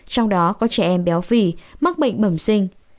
trong đó có trẻ em béo phì mắc bệnh bẩm sinh